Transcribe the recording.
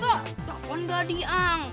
telepon gak diang